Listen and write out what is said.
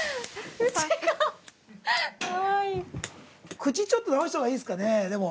◆口、ちょっと直したほうがいいですかね、でも。